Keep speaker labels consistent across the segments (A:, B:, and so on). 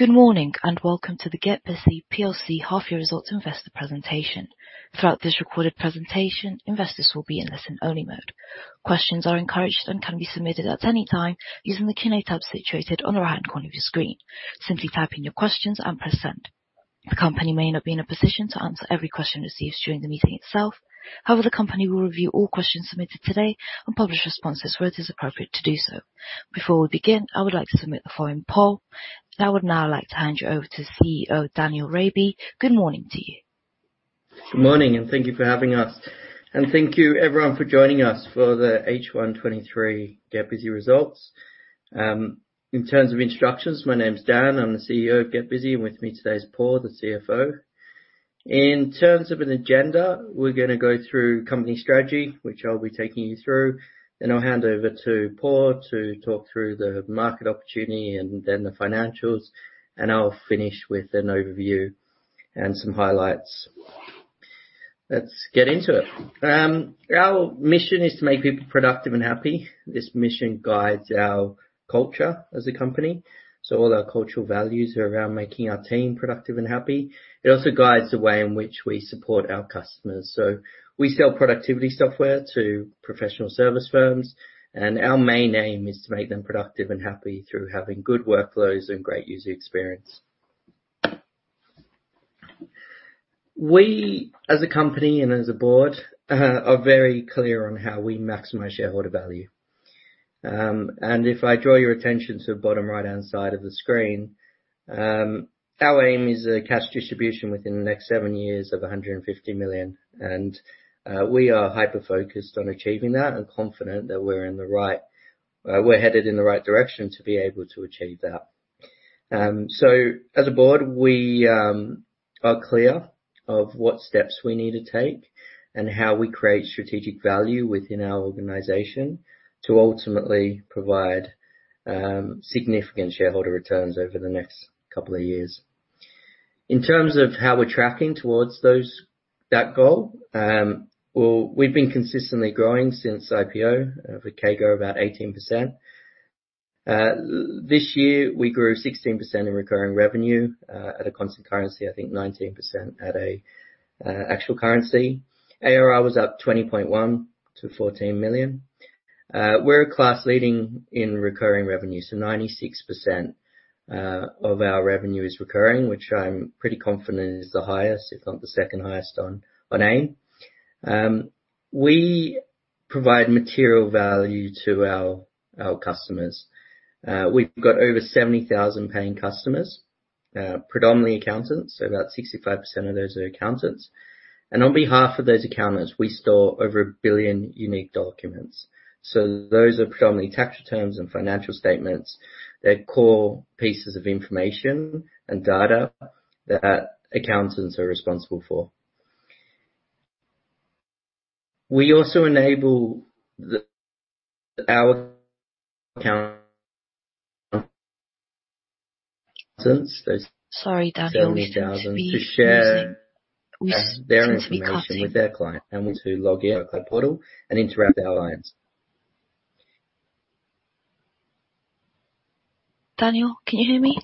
A: Good morning, and welcome to the GetBusy PLC half-year results investor presentation. Throughout this recorded presentation, investors will be in listen-only mode. Questions are encouraged and can be submitted at any time using the Q&A tab situated on the right-hand corner of your screen. Simply type in your questions and press Send. The company may not be in a position to answer every question received during the meeting itself. However, the company will review all questions submitted today and publish responses where it is appropriate to do so. Before we begin, I would like to submit the following poll. I would now like to hand you over to CEO, Daniel Rabie. Good morning to you.
B: Good morning, and thank you for having us. And thank you everyone for joining us for the H1 2023 GetBusy results. In terms of introductions, my name is Dan. I'm the CEO of GetBusy, and with me today is Paul, the CFO. In terms of an agenda, we're gonna go through company strategy, which I'll be taking you through, then I'll hand over to Paul to talk through the market opportunity and then the financials, and I'll finish with an overview and some highlights. Let's get into it. Our mission is to make people productive and happy. This mission guides our culture as a company. So all our cultural values are around making our team productive and happy. It also guides the way in which we support our customers. So we sell productivity software to professional service firms, and our main aim is to make them productive and happy through having good workflows and great user experience. We, as a company and as a board, are very clear on how we maximize shareholder value. And if I draw your attention to the bottom right-hand side of the screen, our aim is a cash distribution within the next seven years of 150 million, and we are hyper-focused on achieving that and confident that we're headed in the right direction to be able to achieve that. So as a board, we are clear of what steps we need to take and how we create strategic value within our organization to ultimately provide significant shareholder returns over the next couple of years. In terms of how we're tracking towards those... that goal, well, we've been consistently growing since IPO, with CAGR about 18%. This year, we grew 16% in recurring revenue, at a constant currency, I think 19% at actual currency. ARR was up 20.1% to 14 million. We're class leading in recurring revenue, so 96% of our revenue is recurring, which I'm pretty confident is the highest, if not the second highest on AIM. We provide material value to our customers. We've got over 70,000 paying customers, predominantly accountants. So about 65% of those are accountants. And on behalf of those accountants, we store over 1 billion unique documents. So those are predominantly tax returns and financial statements. They're core pieces of information and data that accountants are responsible for. We also enable our account-
A: Sorry, Daniel, you seem to be freezing.
B: to share their information with their client, and we too log in our cloud portal and interact with our clients.
A: Daniel, can you hear me?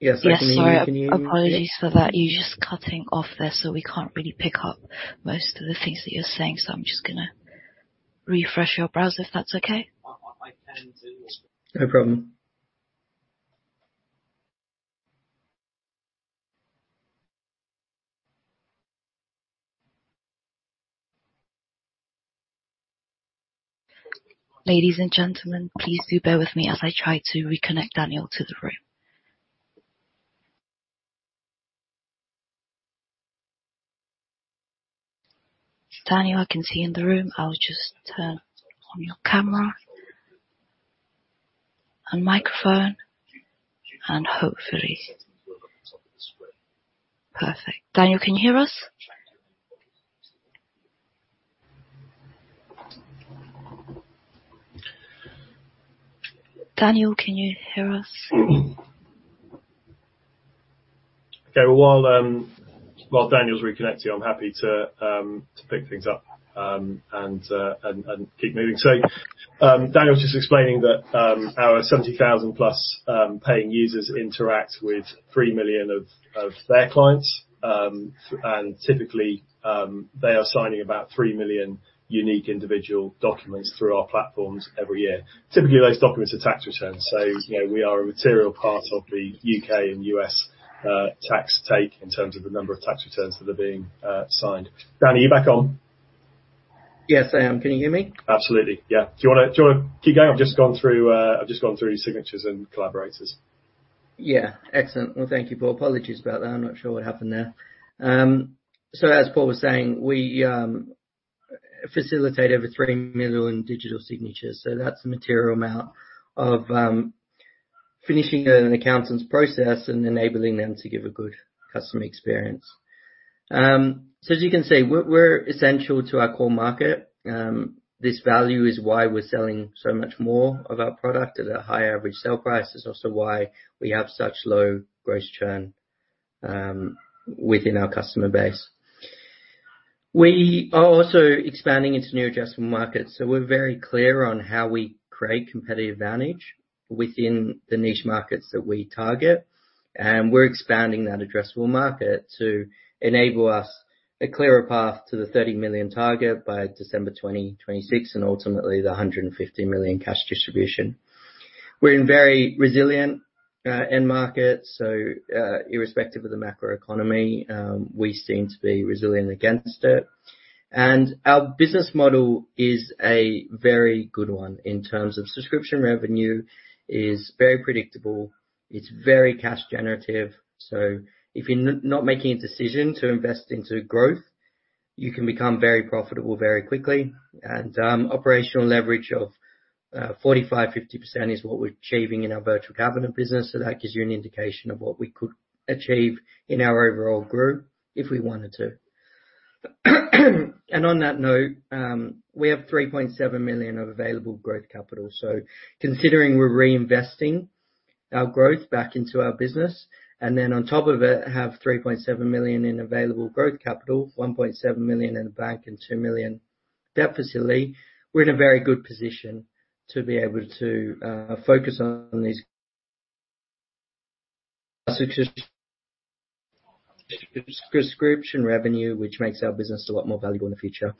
B: Yes, I can hear you. Can you hear me?
A: Yes. Sorry, apologies for that. You're just cutting off there, so we can't really pick up most of the things that you're saying. So I'm just gonna refresh your browser, if that's okay.
B: I can do... No problem.
A: Ladies and gentlemen, please do bear with me as I try to reconnect Daniel to the room. Daniel, I can see you in the room. I'll just turn on your camera and microphone and hopefully... Perfect. Daniel, can you hear us? Daniel, can you hear us?
C: Okay. Well, while Daniel's reconnecting, I'm happy to pick things up and keep moving. So, Daniel was just explaining that our 70,000+ paying users interact with 3 million of their clients. And typically, they are signing about 3 million unique individual documents through our platforms every year. Typically, those documents are tax returns, so you know, we are a material part of the U.K. and U.S. tax take in terms of the number of tax returns that are being signed. Dan, are you back on?
B: Yes, I am. Can you hear me?
C: Absolutely. Yeah. Do you wanna, do you wanna keep going? I've just gone through, I've just gone through signatures and collaborators.
B: Yeah. Excellent. Well, thank you, Paul. Apologies about that. I'm not sure what happened there. So as Paul was saying, we facilitate over 3 million digital signatures, so that's a material amount of finishing an accountant's process and enabling them to give a good customer experience. So as you can see, we're essential to our core market. This value is why we're selling so much more of our product at a high average sale price. It's also why we have such low gross churn within our customer base. We are also expanding into new addressable markets, so we're very clear on how we create competitive advantage within the niche markets that we target, and we're expanding that addressable market to enable us a clearer path to the 30 million target by December 2026, and ultimately the 150 million cash distribution. We're in very resilient end markets, so, irrespective of the macroeconomy, we seem to be resilient against it. And our business model is a very good one in terms of subscription revenue, is very predictable. It's very cash generative. So if you're not making a decision to invest into growth, you can become very profitable very quickly, and, operational leverage of 45%–50% is what we're achieving in our Virtual Cabinet business. So that gives you an indication of what we could achieve in our overall group if we wanted to. And on that note, we have 3.7 million of available growth capital. So considering we're reinvesting our growth back into our business, and then on top of it, have 3.7 million in available growth capital, 1.7 million in the bank, and 2 million definitely, we're in a very good position to be able to focus on these subscription revenue, which makes our business a lot more valuable in the future.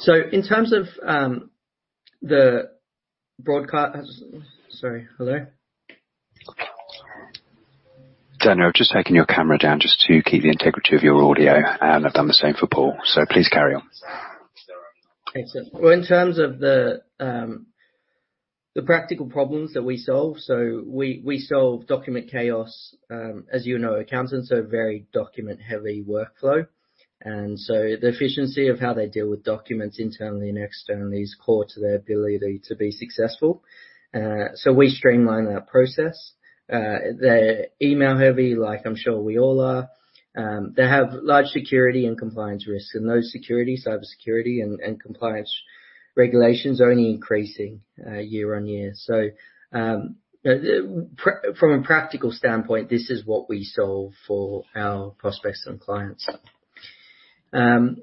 B: So in terms of, Sorry, hello?
A: Daniel, just taking your camera down just to keep the integrity of your audio, and I've done the same for Paul, so please carry on.
B: Thanks. Well, in terms of the practical problems that we solve, so we solve document chaos. As you know, accountants are very document-heavy workflow, and so the efficiency of how they deal with documents internally and externally is core to their ability to be successful. So we streamline that process. They're email heavy, like I'm sure we all are. They have large security and compliance risks, and those security, cybersecurity and compliance regulations are only increasing year on year. From a practical standpoint, this is what we solve for our prospects and clients. And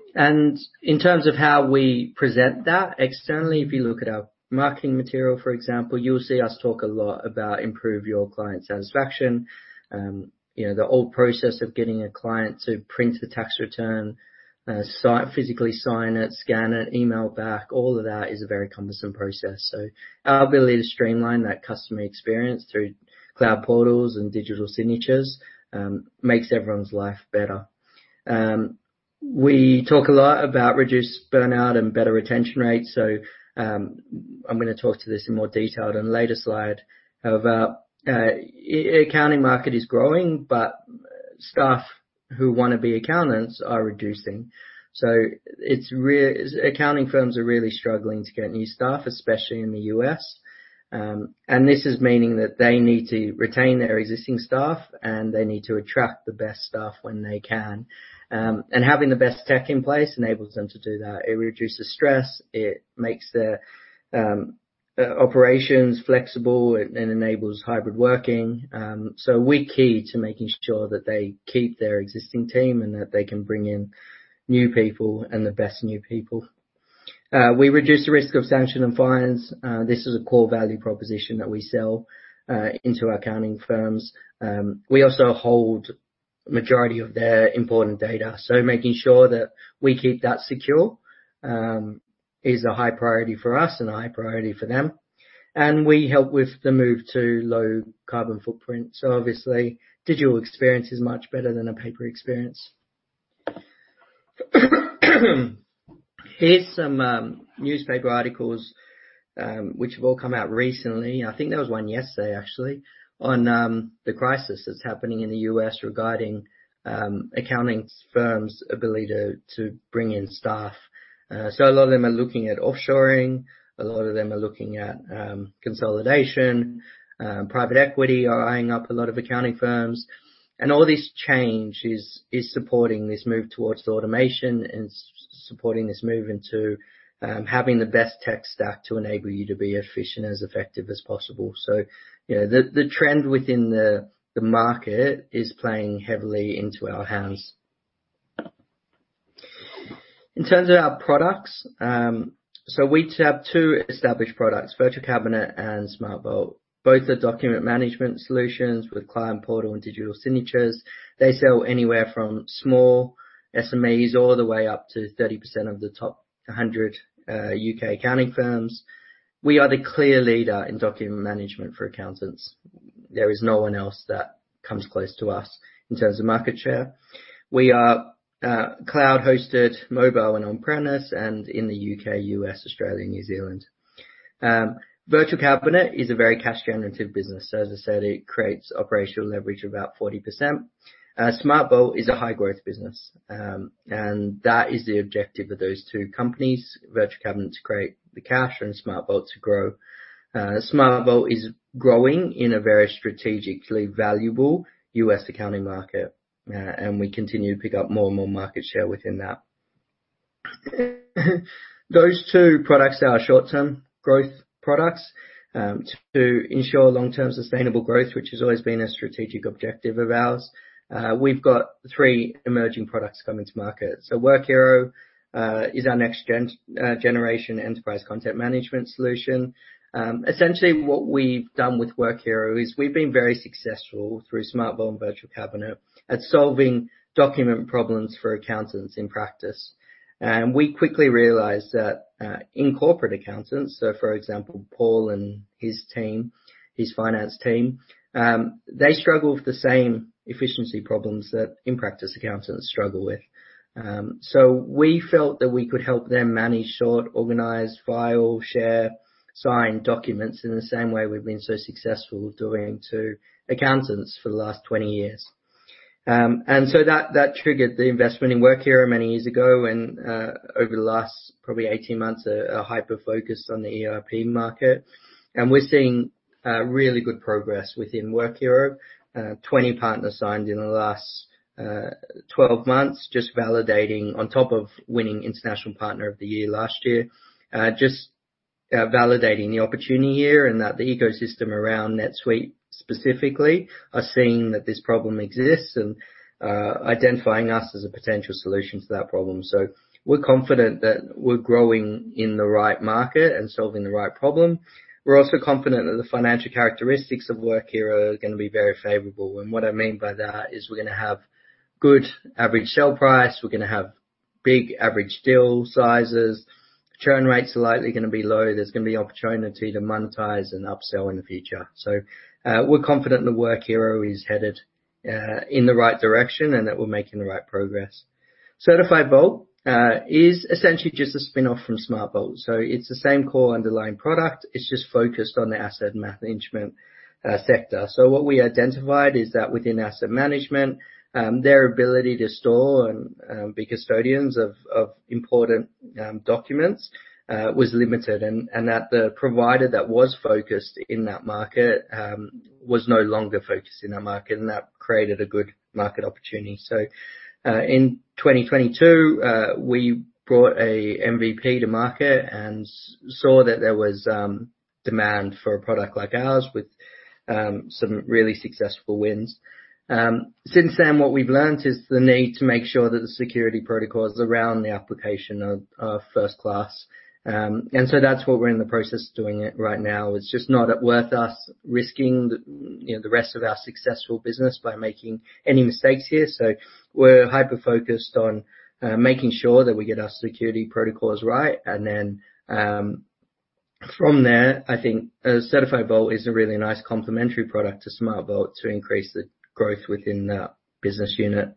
B: in terms of how we present that externally, if you look at our marketing material, for example, you'll see us talk a lot about improve your client satisfaction. You know, the old process of getting a client to print the tax return, physically sign it, scan it, email it back, all of that is a very cumbersome process. So our ability to streamline that customer experience through cloud portals and digital signatures makes everyone's life better. We talk a lot about reduced burnout and better retention rates, so I'm gonna talk to this in more detail in a later slide about the accounting market is growing, but staff who wanna be accountants are reducing. So it's accounting firms are really struggling to get new staff, especially in the U.S., and this is meaning that they need to retain their existing staff, and they need to attract the best staff when they can. And having the best tech in place enables them to do that. It reduces stress, it makes their operations flexible, it enables hybrid working. So we're key to making sure that they keep their existing team, and that they can bring in new people and the best new people. We reduce the risk of sanction and fines. This is a core value proposition that we sell into our accounting firms. We also hold majority of their important data, so making sure that we keep that secure is a high priority for us and a high priority for them. And we help with the move to low carbon footprint. So obviously, digital experience is much better than a paper experience. Here's some newspaper articles which have all come out recently. I think there was one yesterday, actually, on the crisis that's happening in the U.S. regarding accounting firms' ability to bring in staff. So a lot of them are looking at offshoring, a lot of them are looking at consolidation. Private equity are eyeing up a lot of accounting firms, and all this change is supporting this move towards automation and supporting this move into having the best tech stack to enable you to be efficient, as effective as possible. So, you know, the trend within the market is playing heavily into our hands. In terms of our products, so we have two established products, Virtual Cabinet and SmartVault. Both are document management solutions with client portal and digital signatures. They sell anywhere from small SMEs, all the way up to 30% of the top 100 U.K. accounting firms. We are the clear leader in document management for accountants. There is no one else that comes close to us in terms of market share. We are cloud-hosted, mobile, and on-premise, and in the U.K., U.S., Australia, and New Zealand. Virtual Cabinet is a very cash generative business. As I said, it creates operational leverage of about 40%. SmartVault is a high growth business, and that is the objective of those two companies: Virtual Cabinet to create the cash, and SmartVault to grow. SmartVault is growing in a very strategically valuable U.S. accounting market, and we continue to pick up more and more market share within that. Those two products are our short-term growth products to ensure long-term sustainable growth, which has always been a strategic objective of ours. We've got three emerging products coming to market. So Workiro is our next gen generation enterprise content management solution. Essentially, what we've done with Workiro is we've been very successful through SmartVault and Virtual Cabinet at solving document problems for accountants in practice. And we quickly realized that in corporate accountants, so for example, Paul and his team, his finance team, they struggle with the same efficiency problems that in-practice accountants struggle with. So we felt that we could help them manage, sort, organize, file, share, sign documents in the same way we've been so successful doing to accountants for the last 20 years. and so that triggered the investment in Workiro many years ago, and over the last probably 18 months, a hyper-focus on the ERP market. And we're seeing really good progress within Workiro. 20 partners signed in the last 12 months, just validating, on top of winning International Partner of the Year last year, just validating the opportunity here and that the ecosystem around NetSuite, specifically, are seeing that this problem exists and identifying us as a potential solution to that problem. So we're confident that we're growing in the right market and solving the right problem. We're also confident that the financial characteristics of Workiro are gonna be very favorable. And what I mean by that is we're gonna have good average sale price, we're gonna have big average deal sizes. Churn rates are likely gonna be low. There's gonna be opportunity to monetize and upsell in the future. So, we're confident that Workiro is headed in the right direction and that we're making the right progress. Certified Vault is essentially just a spin-off from SmartVault. So it's the same core underlying product. It's just focused on the asset management sector. So what we identified is that within asset management, their ability to store and be custodians of important documents was limited, and that the provider that was focused in that market was no longer focused in that market, and that created a good market opportunity. So, in 2022, we brought a MVP to market and saw that there was demand for a product like ours with some really successful wins. Since then, what we've learned is the need to make sure that the security protocols around the application are first class. And so that's what we're in the process of doing it right now. It's just not worth us risking the, you know, the rest of our successful business by making any mistakes here. So we're hyper-focused on making sure that we get our security protocols right. And then, from there, I think, Certified Vault is a really nice complementary product to SmartVault to increase the growth within that business unit.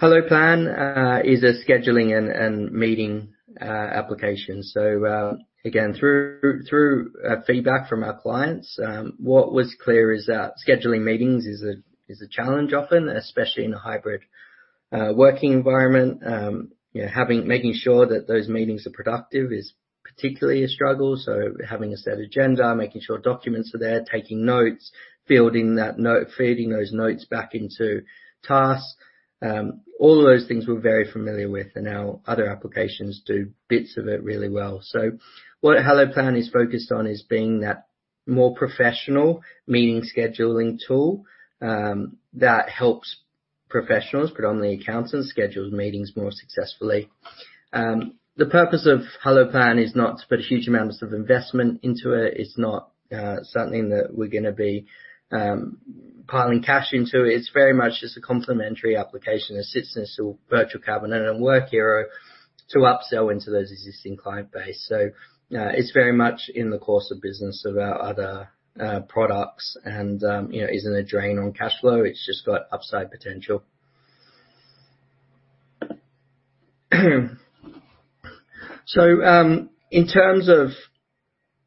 B: HelloPlan is a scheduling and meeting application. So, again, through feedback from our clients, what was clear is that scheduling meetings is a challenge often, especially in a hybrid working environment. You know, making sure that those meetings are productive is particularly a struggle. So having a set agenda, making sure documents are there, taking notes, fielding that note, feeding those notes back into tasks, all of those things we're very familiar with, and our other applications do bits of it really well. So what HelloPlan is focused on is being that more professional meeting scheduling tool that helps professionals, predominantly accountants, schedule meetings more successfully. The purpose of HelloPlan is not to put huge amounts of investment into it. It's not something that we're gonna be piling cash into. It's very much just a complementary application that sits next to Virtual Cabinet and Workiro to upsell into those existing client base. It's very much in the course of business of our other products and, you know, isn't a drain on cash flow. It's just got upside potential. In terms of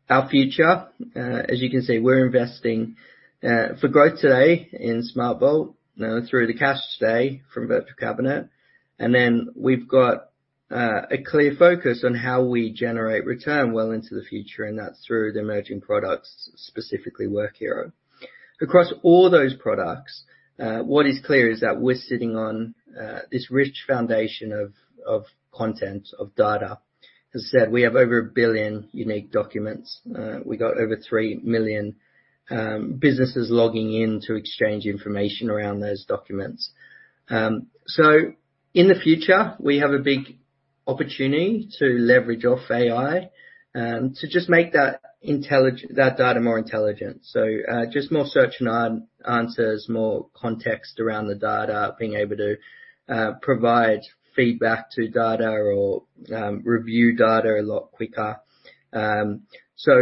B: our future, as you can see, we're investing for growth today in SmartVault through the cash today from Virtual Cabinet. And then we've got a clear focus on how we generate return well into the future, and that's through the emerging products, specifically Workiro. Across all those products, what is clear is that we're sitting on this rich foundation of content, of data. As I said, we have over 1 billion unique documents. We got over 3 million businesses logging in to exchange information around those documents. So in the future, we have a big opportunity to leverage off AI to just make that data more intelligent. So just more search and answers, more context around the data, being able to provide feedback to data or review data a lot quicker. So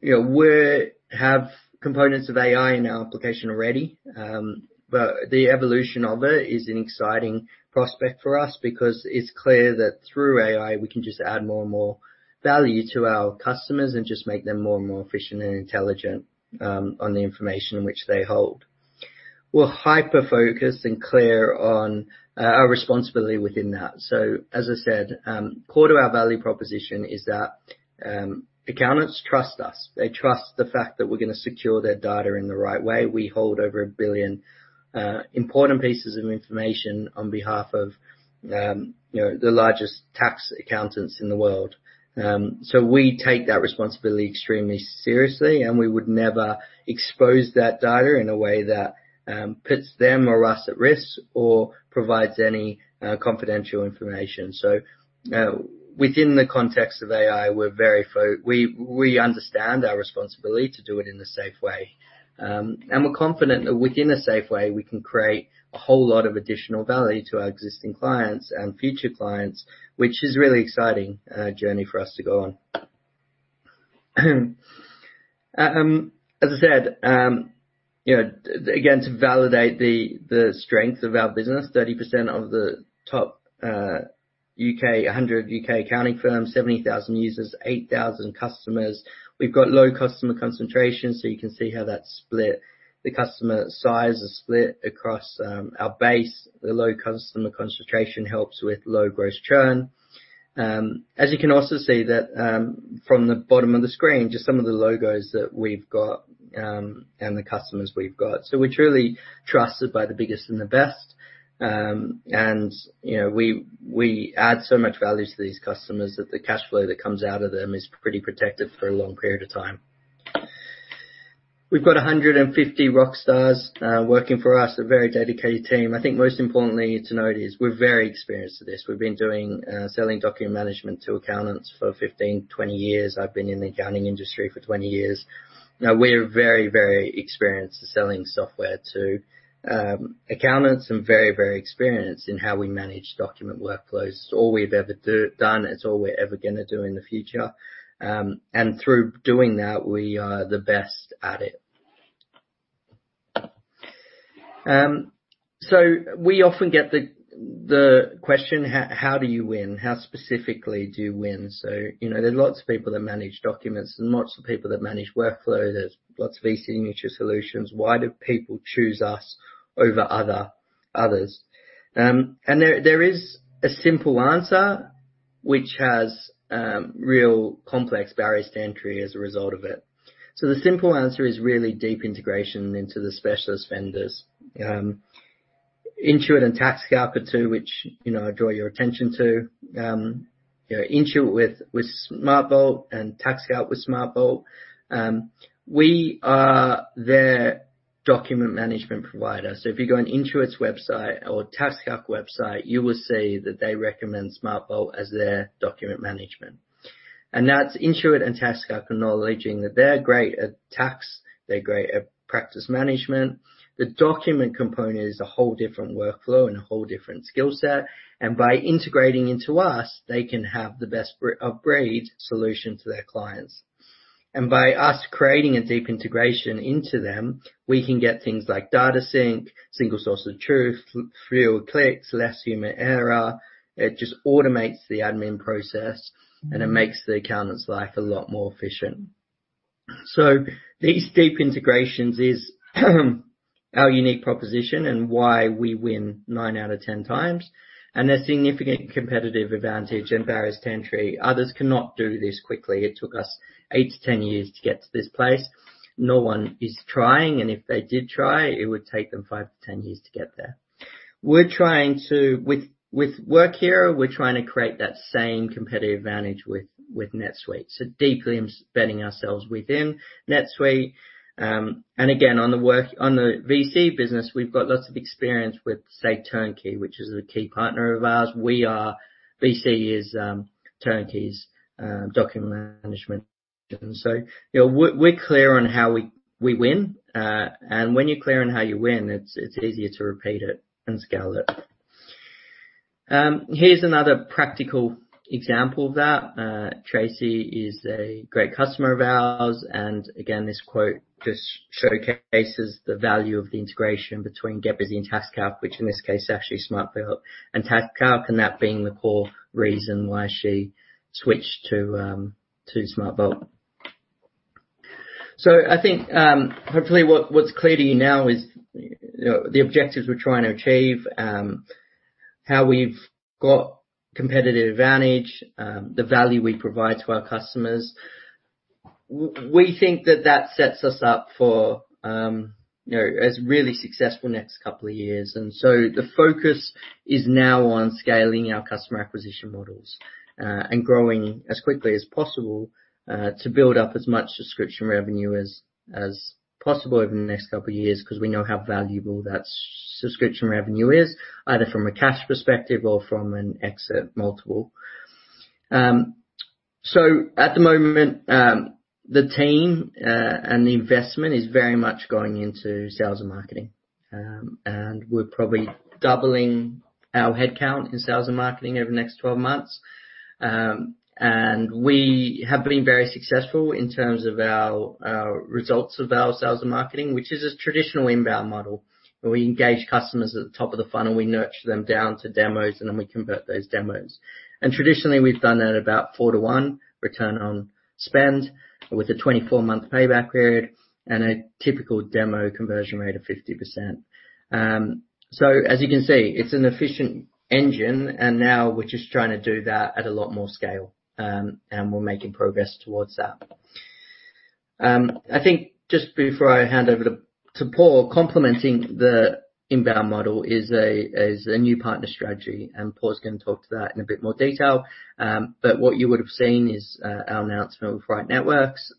B: you know, we have components of AI in our application already, but the evolution of it is an exciting prospect for us because it's clear that through AI, we can just add more and more value to our customers and just make them more and more efficient and intelligent on the information which they hold. We're hyper-focused and clear on our responsibility within that. So as I said, core to our value proposition is that accountants trust us. They trust the fact that we're gonna secure their data in the right way. We hold over 1 billion important pieces of information on behalf of, you know, the largest tax accountants in the world. So we take that responsibility extremely seriously, and we would never expose that data in a way that puts them or us at risk or provides any confidential information. So, within the context of AI, we're very we, we understand our responsibility to do it in a safe way. And we're confident that within a safe way, we can create a whole lot of additional value to our existing clients and future clients, which is a really exciting journey for us to go on. As I said, you know, again, to validate the strength of our business, 30% of the top 100 U.K. accounting firms, 70,000 users, 8,000 customers. We've got low customer concentration, so you can see how that's split. The customer size is split across our base. The low customer concentration helps with low gross churn. As you can also see that from the bottom of the screen, just some of the logos that we've got and the customers we've got. So we're truly trusted by the biggest and the best. And, you know, we add so much value to these customers that the cash flow that comes out of them is pretty protected for a long period of time. We've got 150 rock stars working for us, a very dedicated team. I think most importantly to note is we're very experienced at this. We've been doing selling document management to accountants for 15, 20 years. I've been in the accounting industry for 20 years now. We're very, very experienced at selling software to accountants and very, very experienced in how we manage document workflows. It's all we've ever done, it's all we're ever gonna do in the future. And through doing that, we are the best at it. So we often get the question: How do you win? How specifically do you win? So, you know, there are lots of people that manage documents, and lots of people that manage workflow. There's lots of VC niche solutions. Why do people choose us over others? And there, there is a simple answer, which has real complex barriers to entry as a result of it. So the simple answer is really deep integration into the specialist vendors. Intuit and TaxCalc are two, which, you know, I draw your attention to. You know, Intuit with, with SmartVault and TaxCalc with SmartVault, we are their document management provider. So if you go on Intuit's website or TaxCalc website, you will see that they recommend SmartVault as their document management. And that's Intuit and TaxCalc acknowledging that they're great at tax, they're great at practice management. The document component is a whole different workflow and a whole different skill set, and by integrating into us, they can have the best upgrade solution to their clients. And by us creating a deep integration into them, we can get things like data sync, single source of truth, fewer clicks, less human error. It just automates the admin process, and it makes the accountant's life a lot more efficient. So these deep integrations is our unique proposition and why we win 9 out of 10 times, and a significant competitive advantage and barriers to entry. Others cannot do this quickly. It took us 8-10 years to get to this place. No one is trying, and if they did try, it would take them 5-10 years to get there. With Workiro, we're trying to create that same competitive advantage with NetSuite, so deeply embedding ourselves within NetSuite. And again, on the VC business, we've got lots of experience with, say, Turnkey, which is a key partner of ours. VC is Turnkey's document management. So, you know, we're clear on how we win, and when you're clear on how you win, it's easier to repeat it and scale it. Here's another practical example of that. Tracy is a great customer of ours, and again, this quote just showcases the value of the integration between GetBusy and TaxCalc, which in this case is actually SmartVault and TaxCalc, and that being the core reason why she switched to SmartVault. So I think, hopefully, what's clear to you now is, you know, the objectives we're trying to achieve, how we've got competitive advantage, the value we provide to our customers. We think that that sets us up for, you know, a really successful next couple of years. So the focus is now on scaling our customer acquisition models, and growing as quickly as possible, to build up as much subscription revenue as possible over the next couple of years, 'cause we know how valuable that subscription revenue is, either from a cash perspective or from an exit multiple. So at the moment, the team and the investment is very much going into sales and marketing. And we're probably doubling our headcount in sales and marketing over the next 12 months. And we have been very successful in terms of our, our results of our sales and marketing, which is a traditional inbound model, where we engage customers at the top of the funnel, we nurture them down to demos, and then we convert those demos. Traditionally, we've done that at about 4-to-1 return on spend, with a 24-month payback period and a typical demo conversion rate of 50%. So as you can see, it's an efficient engine, and now we're just trying to do that at a lot more scale, and we're making progress towards that. I think just before I hand over to Paul, complementing the inbound model is a new partner strategy, and Paul's gonna talk to that in a bit more detail. But what you would have seen is our announcement with Right Networks,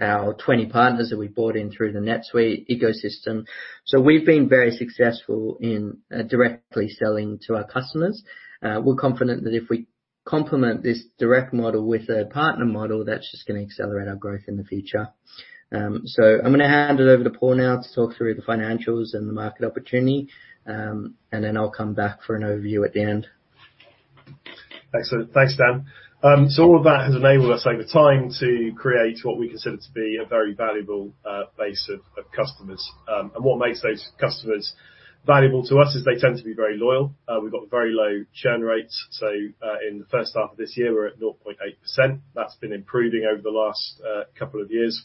B: our 20 partners that we brought in through the NetSuite ecosystem. So we've been very successful in directly selling to our customers. We're confident that if we complement this direct model with a partner model, that's just gonna accelerate our growth in the future. So I'm gonna hand it over to Paul now to talk through the financials and the market opportunity, and then I'll come back for an overview at the end.
C: Excellent. Thanks, Dan. So all of that has enabled us over time to create what we consider to be a very valuable, base of, of customers. And what makes those customers valuable to us is they tend to be very loyal. We've got very low churn rates, so, in the first half of this year, we're at 0.8%. That's been improving over the last, couple of years.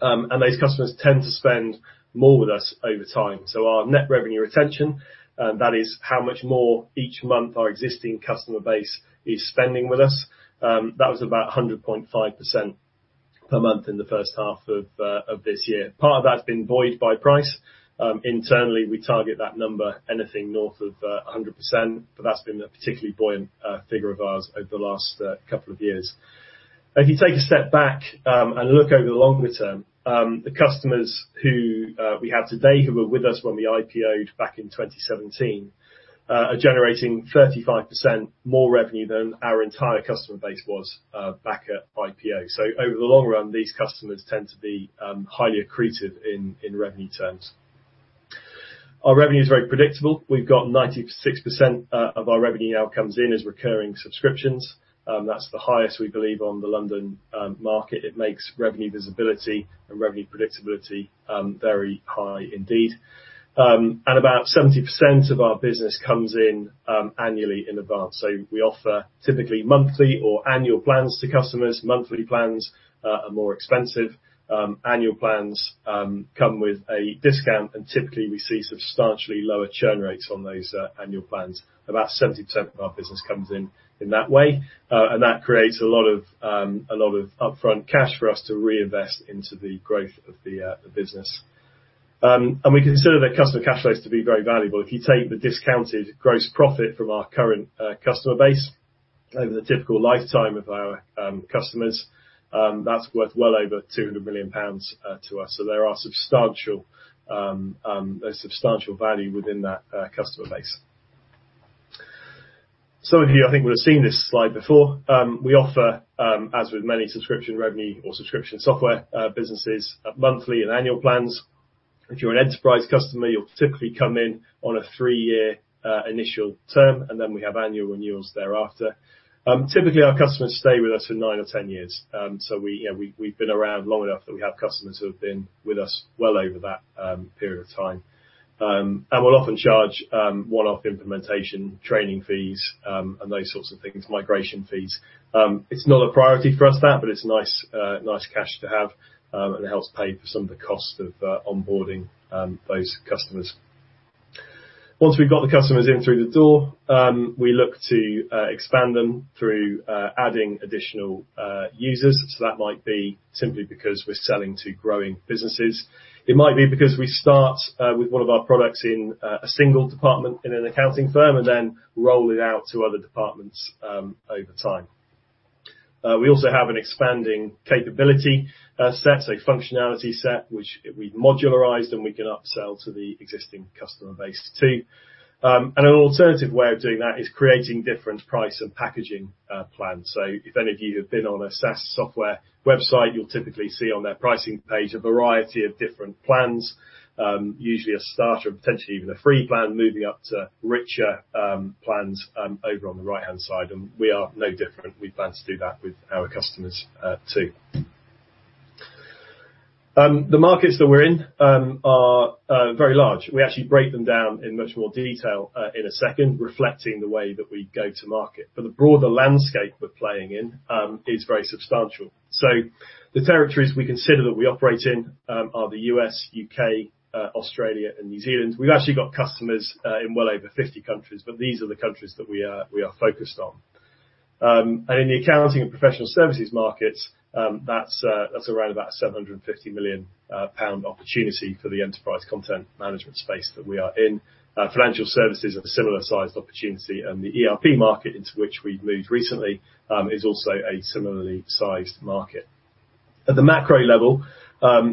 C: And those customers tend to spend more with us over time. So our net revenue retention, and that is how much more each month our existing customer base is spending with us, that was about 100.5% per month in the first half of, of this year. Part of that's been buoyed by price. Internally, we target that number anything north of 100%, but that's been a particularly buoyant figure of ours over the last couple of years. If you take a step back and look over the longer term, the customers who we have today, who were with us when we IPO'd back in 2017, are generating 35% more revenue than our entire customer base was back at IPO. So over the long run, these customers tend to be highly accretive in revenue terms. Our revenue is very predictable. We've got 96% of our revenue now comes in as recurring subscriptions. That's the highest we believe on the London market. It makes revenue visibility and revenue predictability very high indeed. About 70% of our business comes in annually in advance. So we offer typically monthly or annual plans to customers. Monthly plans are more expensive. Annual plans come with a discount, and typically we see substantially lower churn rates on those annual plans. About 70% of our business comes in in that way, and that creates a lot of upfront cash for us to reinvest into the growth of the business. We consider the customer cash flows to be very valuable. If you take the discounted gross profit from our current customer base over the typical lifetime of our customers, that's worth well over 200 million pounds to us. So there's substantial value within that customer base. Some of you, I think, would have seen this slide before. We offer, as with many subscription revenue or subscription software, businesses, monthly and annual plans. If you're an enterprise customer, you'll typically come in on a 3-year, initial term, and then we have annual renewals thereafter. Typically, our customers stay with us for 9 or 10 years. So we, yeah, we, we've been around long enough that we have customers who have been with us well over that, period of time. And we'll often charge, one-off implementation, training fees, and those sorts of things, migration fees. It's not a priority for us, that, but it's nice, nice cash to have, and it helps pay for some of the costs of, onboarding, those customers. Once we've got the customers in through the door, we look to expand them through adding additional users. So that might be simply because we're selling to growing businesses. It might be because we start with one of our products in a single department in an accounting firm and then roll it out to other departments over time. We also have an expanding capability set, so functionality set, which we've modularized, and we can upsell to the existing customer base too. And an alternative way of doing that is creating different price and packaging plans. If any of you have been on a SaaS software website, you'll typically see on their pricing page a variety of different plans, usually a starter and potentially even a free plan, moving up to richer plans over on the right-hand side. We are no different. We plan to do that with our customers too. The markets that we're in are very large. We actually break them down in much more detail in a second, reflecting the way that we go to market. The broader landscape we're playing in is very substantial. The territories we consider that we operate in are the U.S., U.K., Australia, and New Zealand. We've actually got customers in well over 50 countries, but these are the countries that we are focused on. In the accounting and professional services markets, that's around about a 750 million pound opportunity for the enterprise content management space that we are in. Financial services have a similar sized opportunity, and the ERP market, into which we've moved recently, is also a similarly sized market. At the macro level,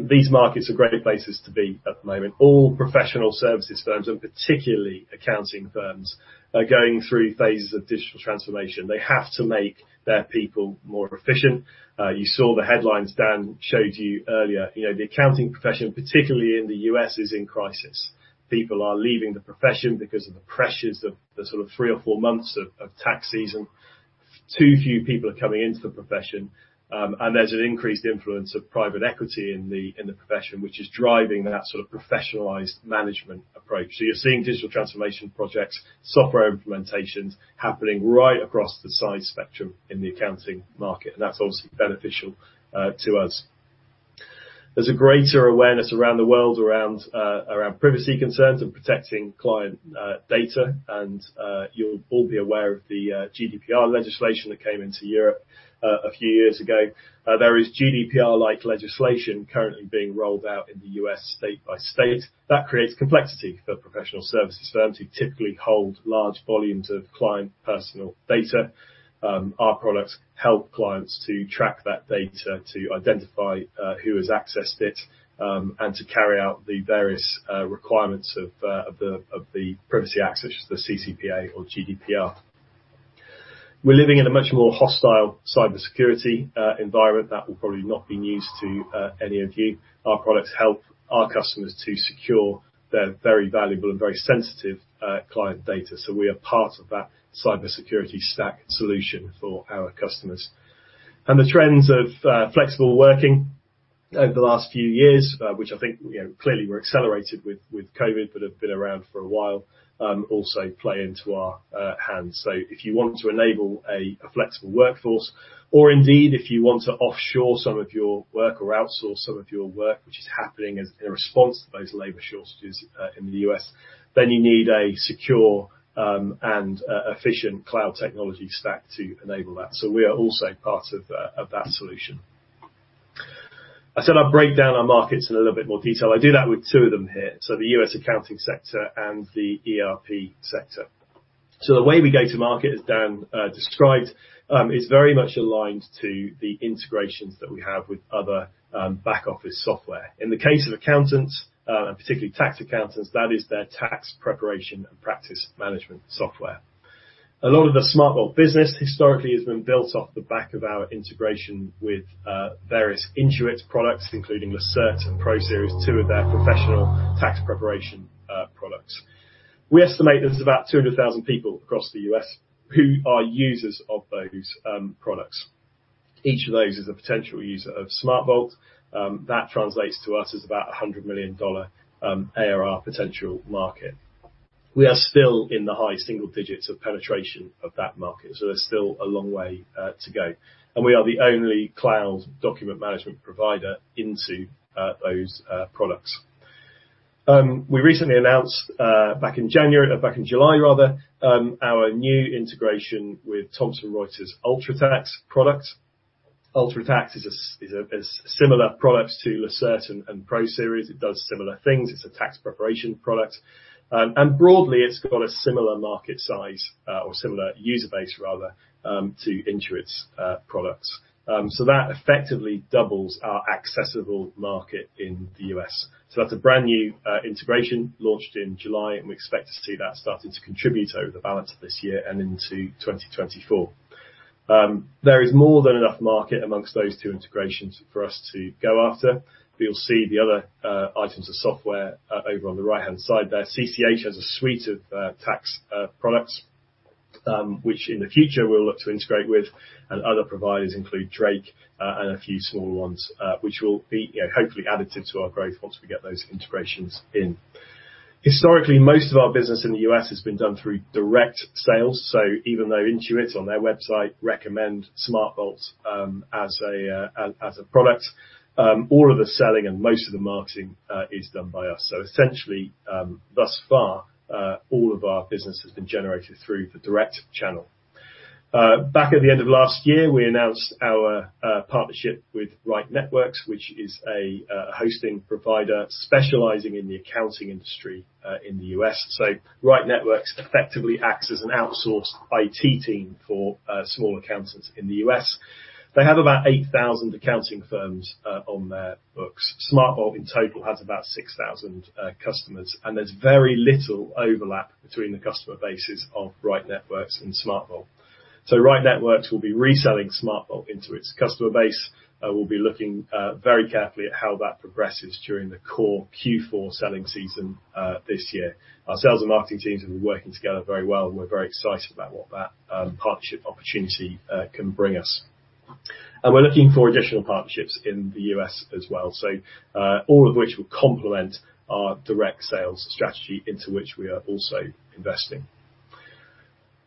C: these markets are a great basis to be at the moment. All professional services firms, and particularly accounting firms, are going through phases of digital transformation. They have to make their people more efficient. You saw the headlines Dan showed you earlier. You know, the accounting profession, particularly in the U.S., is in crisis. People are leaving the profession because of the pressures of the sort of three or four months of tax season. Too few people are coming into the profession, and there's an increased influence of private equity in the profession, which is driving that sort of professionalized management approach. So you're seeing digital transformation projects, software implementations happening right across the size spectrum in the accounting market, and that's obviously beneficial to us. There's a greater awareness around the world around privacy concerns and protecting client data, and you'll all be aware of the GDPR legislation that came into Europe a few years ago. There is GDPR-like legislation currently being rolled out in the U.S. state by state. That creates complexity for professional services firms, who typically hold large volumes of client personal data. Our products help clients to track that data, to identify who has accessed it, and to carry out the various requirements of the privacy acts, such as the CCPA or GDPR. We're living in a much more hostile cybersecurity environment. That will probably not be news to any of you. Our products help our customers to secure their very valuable and very sensitive client data, so we are part of that cybersecurity stack solution for our customers. The trends of flexible working over the last few years, which I think, you know, clearly were accelerated with COVID, but have been around for a while, also play into our hands. So if you want to enable a flexible workforce, or indeed, if you want to offshore some of your work or outsource some of your work, which is happening as a response to those labor shortages in the U.S., then you need a secure and efficient cloud technology stack to enable that. So we are also part of that solution. I said I'd break down our markets in a little bit more detail. I do that with two of them here, so the U.S. accounting sector and the ERP sector. So the way we go to market, as Dan described, is very much aligned to the integrations that we have with other back office software. In the case of accountants and particularly tax accountants, that is their tax preparation and practice management software. A lot of the SmartVault business historically has been built off the back of our integration with various Intuit products, including Lacerte and ProSeries, two of their professional tax preparation products. We estimate there's about 200,000 people across the U.S. who are users of those products. Each of those is a potential user of SmartVault. That translates to us as about a $100 million ARR potential market. We are still in the high single digits of penetration of that market, so there's still a long way to go. We are the only cloud document management provider into those products. We recently announced back in January. Back in July, rather, our new integration with Thomson Reuters UltraTax product. UltraTax is a similar product to Lacerte and ProSeries. It does similar things. It's a tax preparation product. Broadly, it's got a similar market size, or similar user base rather, to Intuit's products. So that effectively doubles our accessible market in the U.S. So that's a brand-new integration launched in July, and we expect to see that starting to contribute over the balance of this year and into 2024. There is more than enough market amongst those two integrations for us to go after. You'll see the other items of software over on the right-hand side there. CCH has a suite of tax products, which in the future we'll look to integrate with, and other providers include Drake and a few smaller ones, which will be, you know, hopefully additive to our growth once we get those integrations in. Historically, most of our business in the U.S. has been done through direct sales, so even though Intuit, on their website, recommend SmartVault as a product, all of the selling and most of the marketing is done by us. So essentially, thus far, all of our business has been generated through the direct channel. Back at the end of last year, we announced our partnership with Right Networks, which is a hosting provider specializing in the accounting industry in the U.S. So Right Networks effectively acts as an outsourced IT team for small accountants in the U.S. They have about 8,000 accounting firms on their books. SmartVault, in total, has about 6,000 customers, and there's very little overlap between the customer bases of Right Networks and SmartVault. So Right Networks will be reselling SmartVault into its customer base. We'll be looking very carefully at how that progresses during the core Q4 selling season this year. Our sales and marketing teams have been working together very well, and we're very excited about what that partnership opportunity can bring us. We're looking for additional partnerships in the U.S. as well, so all of which will complement our direct sales strategy, into which we are also investing.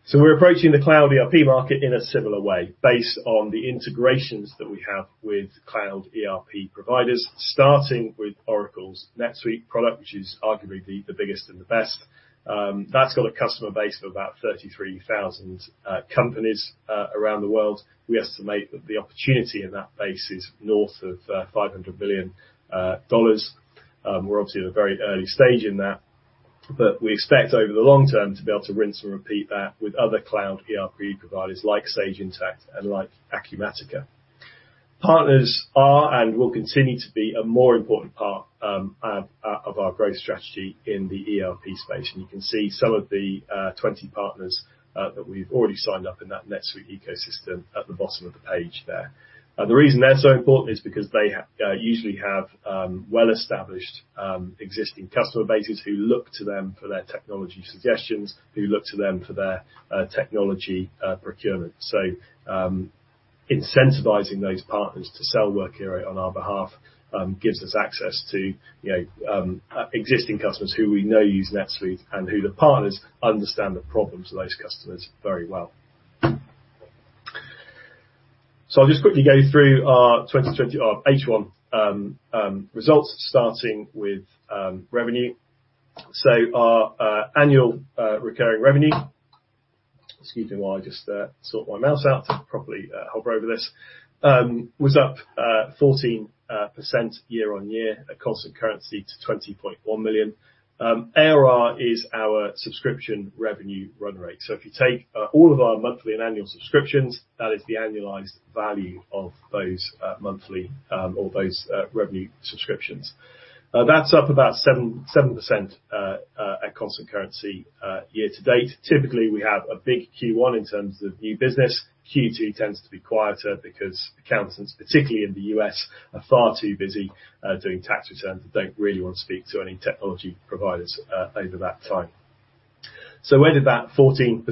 C: So we're approaching the cloud ERP market in a similar way, based on the integrations that we have with cloud ERP providers, starting with Oracle's NetSuite product, which is arguably the biggest and the best. That's got a customer base of about 33,000 companies around the world. We estimate that the opportunity in that base is north of $500 billion. We're obviously at a very early stage in that, but we expect over the long term to be able to rinse and repeat that with other cloud ERP providers like Sage Intacct and like Acumatica. Partners are and will continue to be a more important part of our growth strategy in the ERP space, and you can see some of the 20 partners that we've already signed up in that NetSuite ecosystem at the bottom of the page there. The reason they're so important is because they usually have well-established existing customer bases, who look to them for their technology suggestions, who look to them for their technology procurement. So, incentivizing those partners to sell Workiro on our behalf gives us access to, you know, existing customers who we know use NetSuite and who the partners understand the problems of those customers very well. So I'll just quickly go through our 2020 H1 results, starting with revenue. So our annual recurring revenue, excuse me while I just sort my mouse out to properly hover over this, was up 14% year-on-year, at constant currency to 20.1 million. ARR is our subscription revenue run rate. So if you take all of our monthly and annual subscriptions, that is the annualized value of those monthly or those revenue subscriptions. That's up about 7% at constant currency year to date. Typically, we have a big Q1 in terms of new business. Q2 tends to be quieter because accountants, particularly in the U.S., are far too busy, doing tax returns and don't really want to speak to any technology providers, over that time. So where did that 14%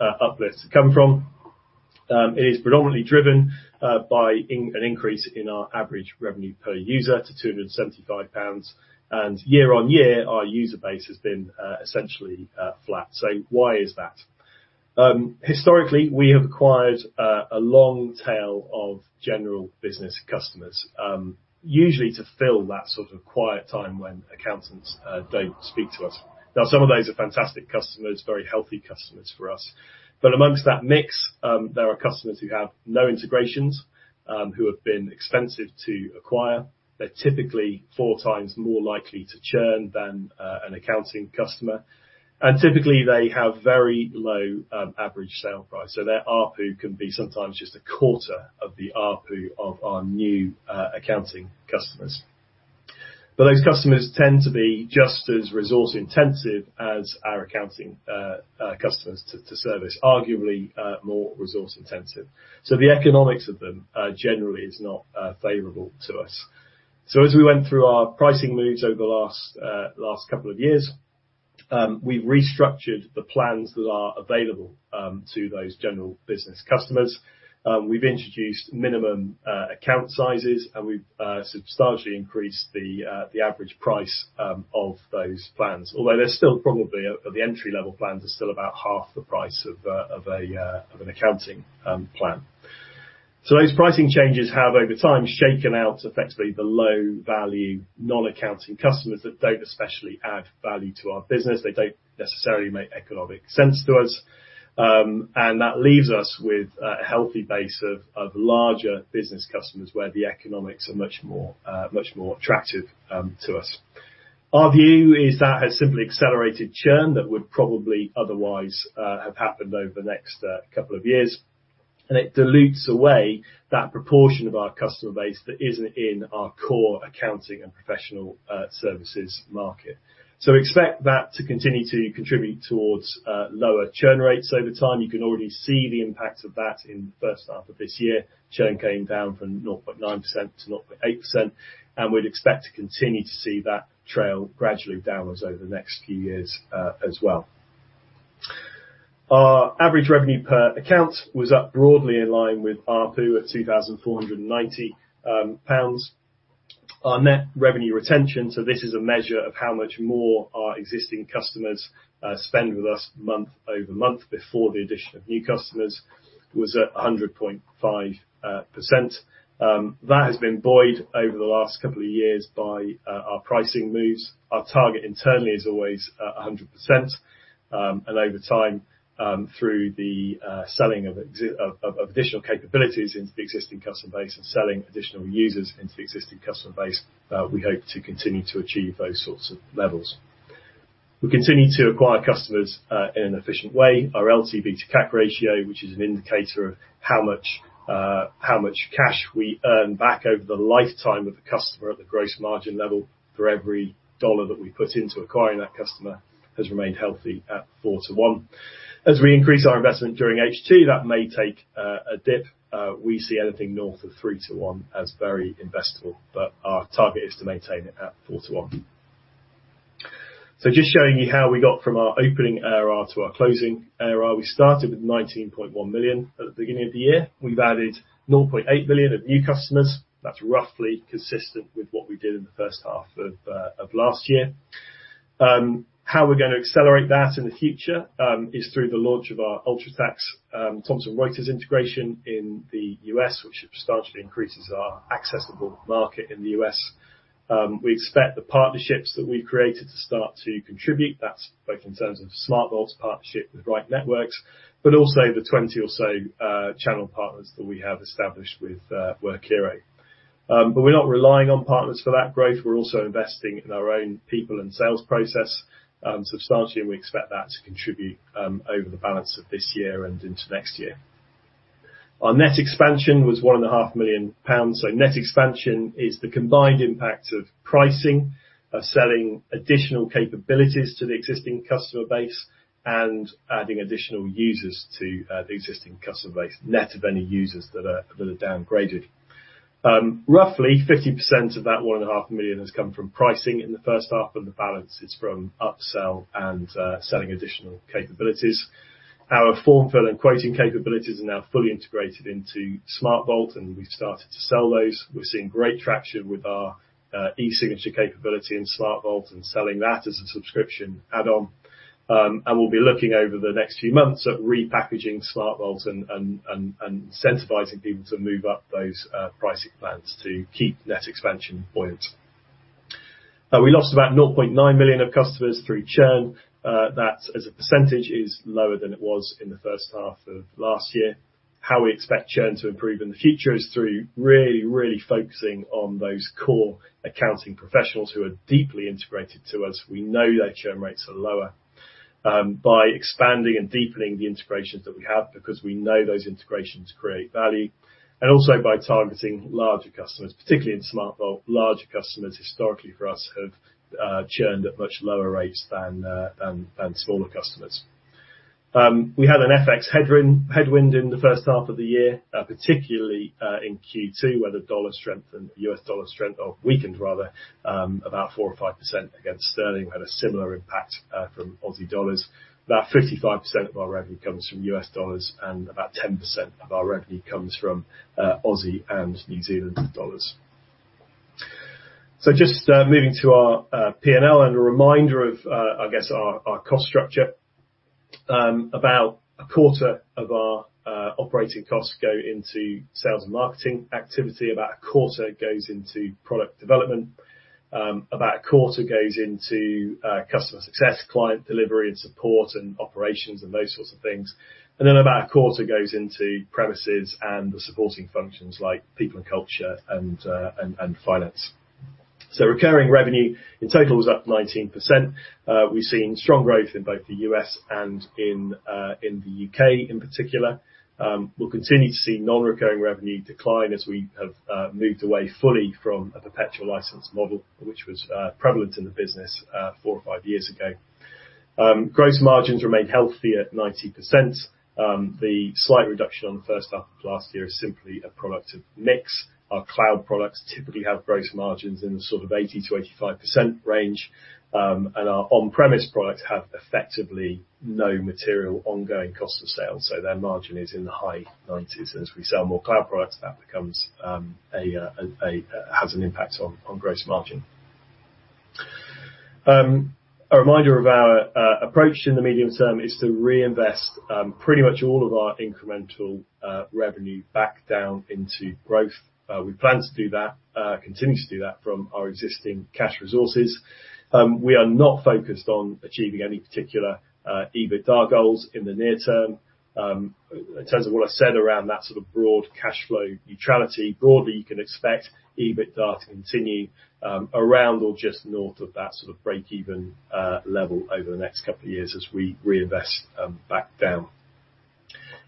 C: uplift come from? It is predominantly driven by an increase in our average revenue per user, to 275 pounds, and year-on-year, our user base has been essentially flat. So why is that? Historically, we have acquired a long tail of general business customers, usually to fill that sort of quiet time when accountants don't speak to us. Now, some of those are fantastic customers, very healthy customers for us. But amongst that mix, there are customers who have no integrations, who have been expensive to acquire. They're typically four times more likely to churn than an accounting customer, and typically they have very low average sale price. So their ARPU can be sometimes just a quarter of the ARPU of our new accounting customers. But those customers tend to be just as resource intensive as our accounting customers to service, arguably more resource intensive. So the economics of them generally is not favorable to us. So as we went through our pricing moves over the last couple of years, we've restructured the plans that are available to those general business customers. We've introduced minimum account sizes, and we've substantially increased the average price of those plans although they're still probably the entry-level plans are still about half the price of an accounting plan. So those pricing changes have, over time, shaken out effectively the low value, non-accounting customers that don't especially add value to our business. They don't necessarily make economic sense to us, and that leaves us with a healthy base of larger business customers, where the economics are much more attractive to us. Our view is that has simply accelerated churn that would probably otherwise have happened over the next couple of years, and it dilutes away that proportion of our customer base that isn't in our core accounting and professional services market. So expect that to continue to contribute towards lower churn rates over time. You can already see the impact of that in the first half of this year. Churn came down from 0.9% to 0.8%, and we'd expect to continue to see that trail gradually downwards over the next few years, as well. Our average revenue per account was up broadly in line with ARPU, at 2,490 pounds. Our net revenue retention, so this is a measure of how much more our existing customers spend with us month-over-month, before the addition of new customers, was at 100.5%. That has been buoyed over the last couple of years by our pricing moves. Our target internally is always a hundred percent, and over time, through the selling of additional capabilities into the existing customer base and selling additional users into the existing customer base, we hope to continue to achieve those sorts of levels. We continue to acquire customers in an efficient way. Our LTV to CAC ratio, which is an indicator of how much cash we earn back over the lifetime of a customer at the gross margin level, for every $1 that we put into acquiring that customer, has remained healthy at 4-to-1. As we increase our investment during H2, that may take a dip. We see anything north of 3-to-1 as very investable, but our target is to maintain it at 4-to-1. So just showing you how we got from our opening ARR to our closing ARR, we started with 19.1 million at the beginning of the year. We've added 0.8 million of new customers. That's roughly consistent with what we did in the first half of last year. How we're going to accelerate that in the future is through the launch of our UltraTax, Thomson Reuters integration in the U.S., which substantially increases our accessible market in the U.S. We expect the partnerships that we've created to start to contribute. That's both in terms of the SmartVault's partnership with Right Networks, but also the 20 or so channel partners that we have established with Workiro. But we're not relying on partners for that growth. We're also investing in our own people and sales process substantially, and we expect that to contribute over the balance of this year and into next year. Our net expansion was 1.5 million pounds. So net expansion is the combined impact of pricing, of selling additional capabilities to the existing customer base, and adding additional users to the existing customer base, net of any users that are downgraded. Roughly 50% of that 1.5 million has come from pricing in the first half, and the balance is from upsell and selling additional capabilities. Our form fill and quoting capabilities are now fully integrated into SmartVault, and we've started to sell those. We're seeing great traction with our e-signature capability in SmartVault and selling that as a subscription add-on. We'll be looking over the next few months at repackaging SmartVault and incentivizing people to move up those pricing plans to keep net expansion buoyant. We lost about 0.9 million customers through churn. That, as a percentage, is lower than it was in the first half of last year. How we expect churn to improve in the future is through really, really focusing on those core accounting professionals who are deeply integrated to us. We know their churn rates are lower by expanding and deepening the integrations that we have, because we know those integrations create value, and also by targeting larger customers, particularly in SmartVault. Larger customers, historically, for us, have churned at much lower rates than smaller customers. We had an FX headwind in the first half of the year, particularly in Q2, where the dollar strengthened, the U.S. dollar strengthened, or weakened rather, about 4 or 5% against sterling, had a similar impact from Aussie dollars. About 55% of our revenue comes from U.S. dollars, and about 10% of our revenue comes from Aussie and New Zealand dollars. So just moving to our P&L and a reminder of, I guess, our cost structure. About a quarter of our operating costs go into sales and marketing activity. About a quarter goes into product development. About a quarter goes into customer success, client delivery and support and operations, and those sorts of things. Then, about a quarter goes into premises and the supporting functions, like people and culture and finance. So recurring revenue, in total, was up 19%. We've seen strong growth in both the U.S. and in the U.K. in particular. We'll continue to see non-recurring revenue decline as we have moved away fully from a perpetual license model, which was prevalent in the business four or five years ago. Gross margins remained healthy at 90%. The slight reduction on the first half of last year is simply a product of mix. Our cloud products typically have gross margins in the sort of 80%–85% range. And our on-premise products have effectively no material ongoing cost of sales, so their margin is in the high 90s%. As we sell more cloud products, that becomes has an impact on gross margin. A reminder of our approach in the medium term is to reinvest pretty much all of our incremental revenue back down into growth. We plan to do that, continue to do that from our existing cash resources. We are not focused on achieving any particular EBITDA goals in the near term. In terms of what I said around that sort of broad cashflow neutrality, broadly, you can expect EBITDA to continue around or just north of that sort of breakeven level over the next couple of years as we reinvest back down.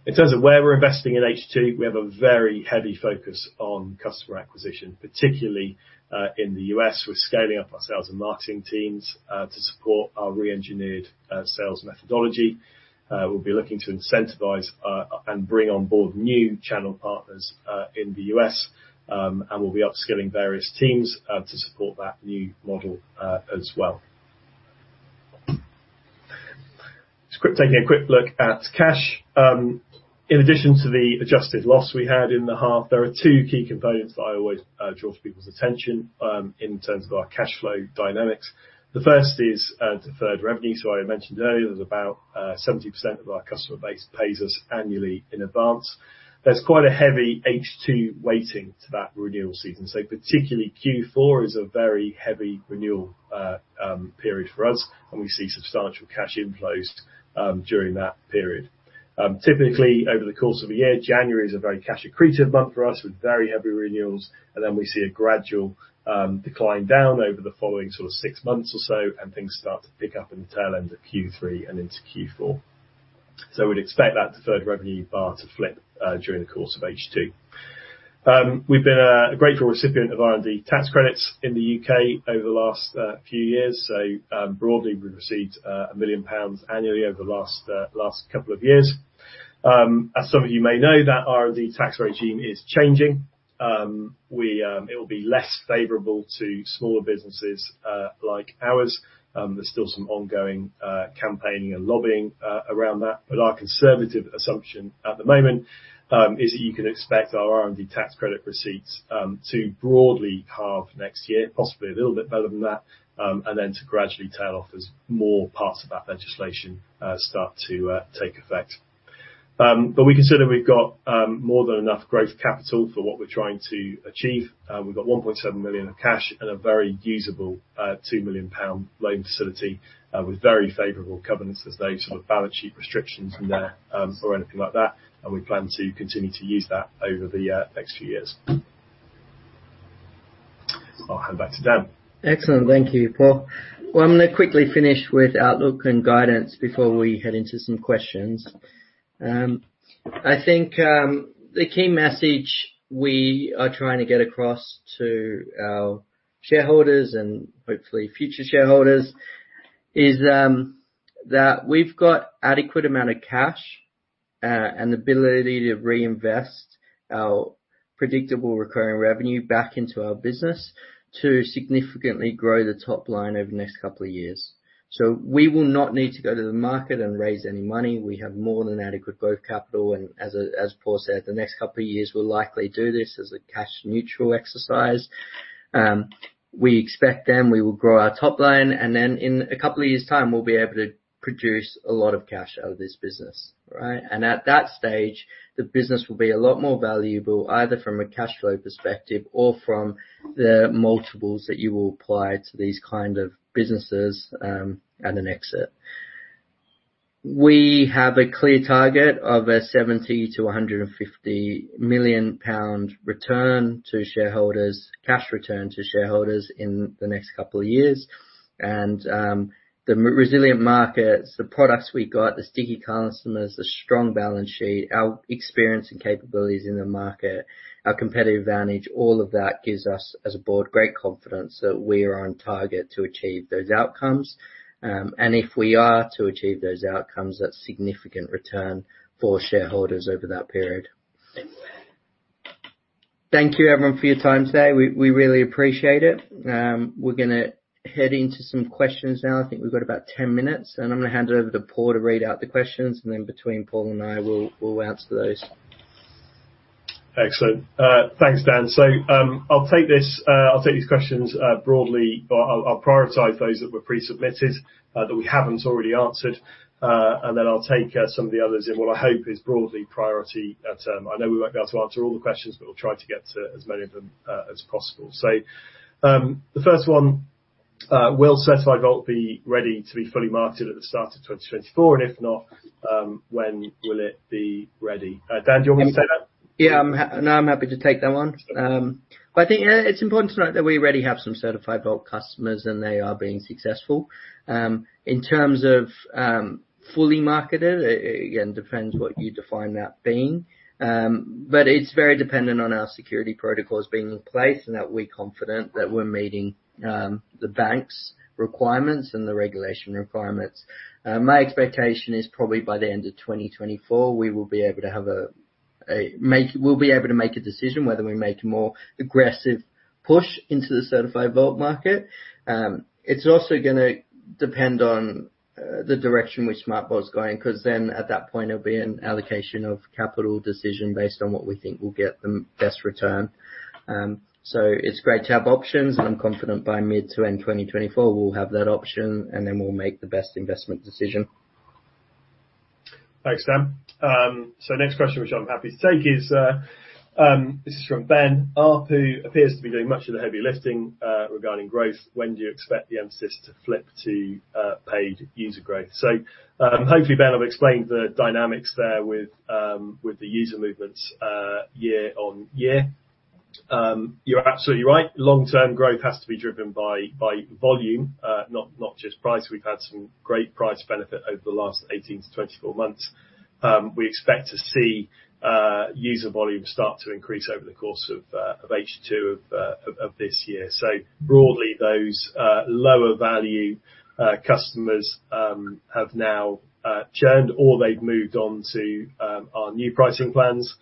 C: In terms of where we're investing in H2, we have a very heavy focus on customer acquisition, particularly in the U.S. We're scaling up our sales and marketing teams to support our re-engineered sales methodology. We'll be looking to incentivize and bring on board new channel partners in the U.S., and we'll be upskilling various teams to support that new model as well. Just taking a quick look at cash. In addition to the adjusted loss we had in the half, there are two key components that I always draw to people's attention in terms of our cash flow dynamics. The first is deferred revenue. So I mentioned earlier, there's about 70% of our customer base pays us annually in advance. There's quite a heavy H2 weighting to that renewal season, so particularly Q4 is a very heavy renewal period for us, and we see substantial cash inflows during that period. Typically, over the course of a year, January is a very cash accretive month for us, with very heavy renewals, and then we see a gradual decline down over the following sort of six months or so, and things start to pick up in the tail end of Q3 and into Q4. So we'd expect that deferred revenue bar to flip during the course of H2. We've been a grateful recipient of R&D tax credits in the U.K. over the last few years. So, broadly, we've received 1 million pounds annually over the last couple of years. As some of you may know, that R&D tax regime is changing. We... It will be less favorable to smaller businesses like ours. There's still some ongoing campaigning and lobbying around that, but our conservative assumption, at the moment, is that you can expect our R&D tax credit receipts to broadly halve next year, possibly a little bit better than that, and then to gradually tail off as more parts of that legislation start to take effect. But we consider we've got more than enough growth capital for what we're trying to achieve. We've got 1.7 million in cash and a very usable 2 million pound loan facility with very favorable covenants, as there's no sort of balance sheet restrictions in there, or anything like that, and we plan to continue to use that over the next few years. I'll hand back to Dan.
B: Excellent. Thank you, Paul. Well, I'm gonna quickly finish with outlook and guidance before we head into some questions. I think, the key message we are trying to get across to our shareholders, and hopefully future shareholders, is, that we've got adequate amount of cash, and the ability to reinvest our predictable recurring revenue back into our business to significantly grow the top line over the next couple of years. So we will not need to go to the market and raise any money. We have more than adequate growth capital, and as Paul said, the next couple of years, we'll likely do this as a cash-neutral exercise. We expect then we will grow our top line, and then in a couple of years' time, we'll be able to produce a lot of cash out of this business, right? At that stage, the business will be a lot more valuable, either from a cash flow perspective or from the multiples that you will apply to these kind of businesses, at an exit. We have a clear target of a 70 million–150 million pound return to shareholders, cash return to shareholders in the next couple of years. The more resilient markets, the products we got, the sticky customers, the strong balance sheet, our experience and capabilities in the market, our competitive advantage, all of that gives us, as a board, great confidence that we are on target to achieve those outcomes. If we are to achieve those outcomes, that's significant return for shareholders over that period. Thank you, everyone, for your time today. We, we really appreciate it. We're gonna head into some questions now. I think we've got about 10 minutes, and I'm gonna hand it over to Paul to read out the questions, and then between Paul and I, we'll answer those.
C: Excellent. Thanks, Dan. So, I'll take these questions broadly, or I'll prioritize those that were pre-submitted that we haven't already answered. And then I'll take some of the others in what I hope is broadly priority. I know we won't be able to answer all the questions, but we'll try to get to as many of them as possible. So, the first one, "Will Certified Vault be ready to be fully marketed at the start of 2024? And if not, when will it be ready?" Dan, do you want me to take that?
B: Yeah, No, I'm happy to take that one. But I think, yeah, it's important to note that we already have some Certified Vault customers, and they are being successful. In terms of, fully marketed, again, depends what you define that being. But it's very dependent on our security protocols being in place, and that we're confident that we're meeting, the bank's requirements and the regulation requirements. My expectation is probably by the end of 2024, we will be able to make a decision whether we make a more aggressive push into the Certified Vault market. It's also gonna depend on, the direction which SmartVault is going, 'cause then, at that point, it'll be an allocation of capital decision based on what we think will get the best return. So, it's great to have options, and I'm confident by mid- to end-2024, we'll have that option, and then we'll make the best investment decision.
C: Thanks, Dan. So next question, which I'm happy to take, is, this is from Ben. ARPU, who appears to be doing much of the heavy lifting, regarding growth, when do you expect the emphasis to flip to, paid user growth? So, hopefully, Ben, I've explained the dynamics there with, with the user movements, year on year. You're absolutely right. Long-term growth has to be driven by, by volume, not, not just price. We've had some great price benefit over the last 18-24 months. We expect to see, user volume start to increase over the course of, of H2 of, of, this year. So broadly, those, lower value, customers, have now, churned or they've moved on to, our new pricing plans.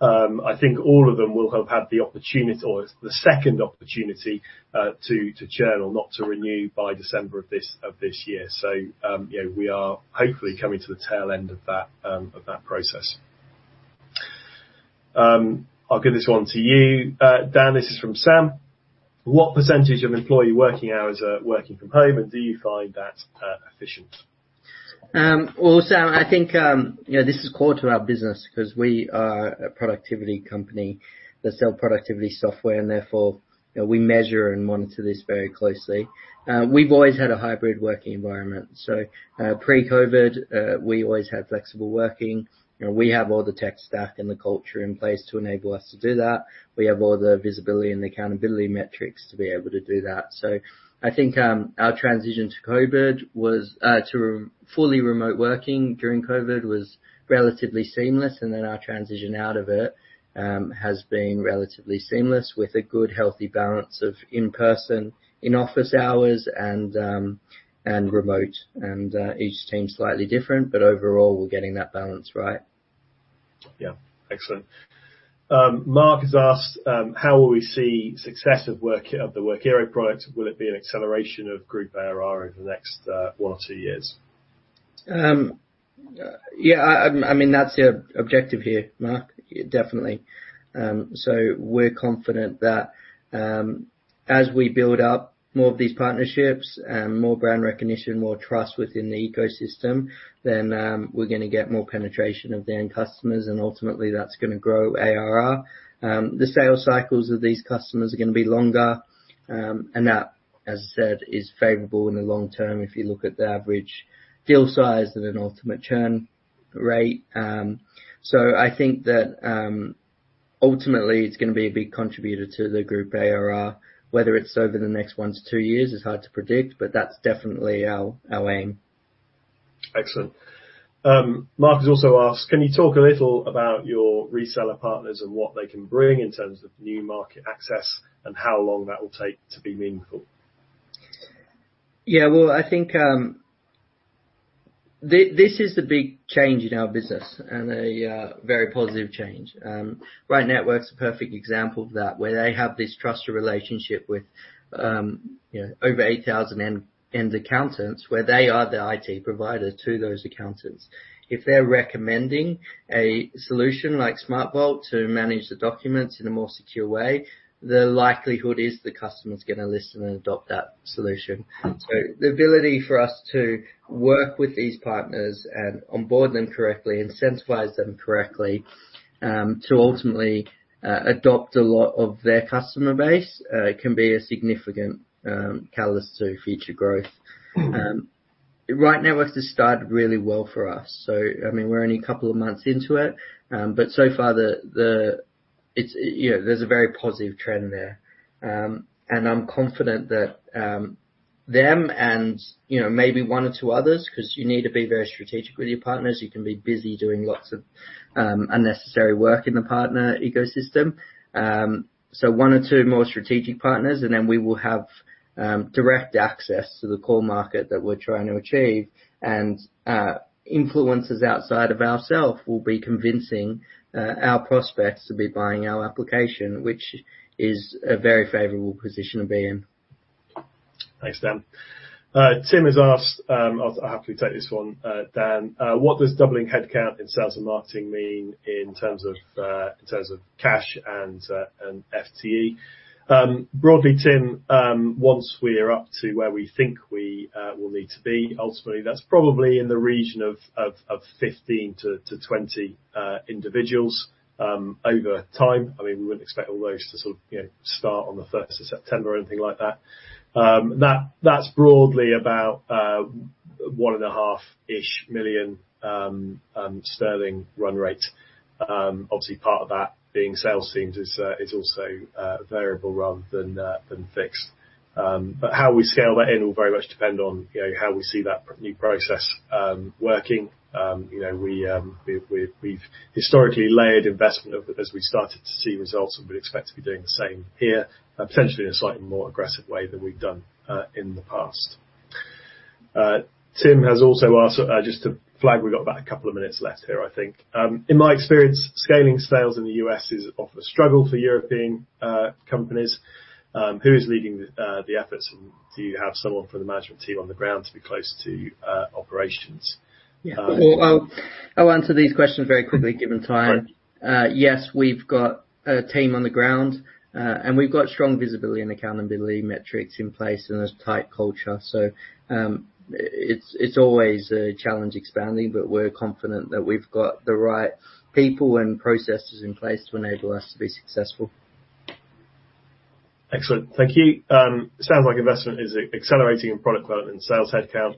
C: I think all of them will have had the opportunity or the second opportunity to churn or not to renew by December of this year. So, you know, we are hopefully coming to the tail end of that process. I'll give this one to you, Dan. This is from Sam: "What percentage of employee working hours are working from home, and do you find that efficient?
B: Well, Sam, I think, you know, this is core to our business because we are a productivity company that sell productivity software, and therefore, you know, we measure and monitor this very closely. We've always had a hybrid working environment, so, pre-COVID, we always had flexible working. You know, we have all the tech stack and the culture in place to enable us to do that. We have all the visibility and accountability metrics to be able to do that. So I think, our transition to COVID was fully remote working during COVID was relatively seamless, and then our transition out of it has been relatively seamless, with a good, healthy balance of in-person, in-office hours and, and remote. Each team's slightly different, but overall, we're getting that balance right.
C: Yeah. Excellent. Mark has asked: "How will we see success of Work — of the Workiro product? Will it be an acceleration of group ARR over the next, one or two years?
B: Yeah, I mean, that's the objective here, Mark. Definitely. So we're confident that, as we build up more of these partnerships and more brand recognition, more trust within the ecosystem, then, we're gonna get more penetration of the end customers, and ultimately, that's gonna grow ARR. The sales cycles of these customers are gonna be longer, and that, as I said, is favorable in the long term if you look at the average deal size and then ultimate churn rate. So I think that, ultimately, it's gonna be a big contributor to the group ARR. Whether it's over the next 1-2 years is hard to predict, but that's definitely our aim.
C: Excellent. Mark has also asked: "Can you talk a little about your reseller partners and what they can bring in terms of new market access, and how long that will take to be meaningful?
B: Yeah, well, I think, this is the big change in our business and a, very positive change. Right Networks' a perfect example of that, where they have this trusted relationship with, you know, over 8,000 end-user accountants, where they are the IT provider to those accountants. If they're recommending a solution like SmartVault to manage the documents in a more secure way, the likelihood is the customer's gonna listen and adopt that solution. So the ability for us to work with these partners and onboard them correctly, incentivize them correctly to ultimately, adopt a lot of their customer base, can be a significant, catalyst to future growth.
C: Mm-hmm.
B: Right now it's just started really well for us. So I mean, we're only a couple of months into it, but so far it's, you know, there's a very positive trend there. And I'm confident that them and, you know, maybe one or two others, 'cause you need to be very strategic with your partners. You can be busy doing lots of unnecessary work in the partner ecosystem. So one or two more strategic partners, and then we will have direct access to the core market that we're trying to achieve. And, influencers outside of ourself will be convincing our prospects to be buying our application, which is a very favorable position to be in.
C: Thanks, Dan. Tim has asked. I'll happily take this one, Dan. What does doubling headcount in sales and marketing mean in terms of cash and FTE? Broadly, Tim, once we're up to where we think we will need to be, ultimately, that's probably in the region of 15-20 individuals over time. I mean, we wouldn't expect all those to sort of, you know, start on the first of September or anything like that. That's broadly about 1.5-ish million sterling run rate. Obviously, part of that being sales teams is also variable rather than fixed. But how we scale that in will very much depend on, you know, how we see that new process working. You know, we've historically layered investment of as we started to see results, and we'd expect to be doing the same here, potentially in a slightly more aggressive way than we've done in the past. Tim has also asked, just to flag, we've got about a couple of minutes left here, I think. In my experience, scaling sales in the U.S. is often a struggle for European companies. Who is leading the efforts? And do you have someone from the management team on the ground to be close to operations?
B: Yeah. Well, I'll, I'll answer these questions very quickly, given time.
C: Right.
B: Yes, we've got a team on the ground, and we've got strong visibility and accountability metrics in place and a tight culture. So, it's always a challenge expanding, but we're confident that we've got the right people and processes in place to enable us to be successful.
C: Excellent. Thank you. Sounds like investment is accelerating in product development and sales headcount.